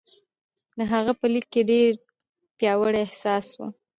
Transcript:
د هغه په لیک کې ډېر پیاوړی احساس و